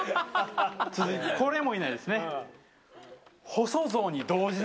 続いて、これもいないですね。